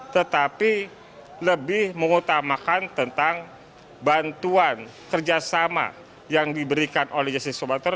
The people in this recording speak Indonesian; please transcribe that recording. tetapi lebih mengutamakan tentang bantuan kerjasama yang diberikan oleh justice collaborator